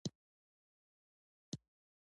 سیلاني ځایونه د افغانستان د اقلیم یوه ځانګړتیا ده.